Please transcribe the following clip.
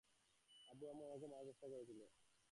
আব্বু, আম্মু আমাকে মারার চেষ্টা করেছিল!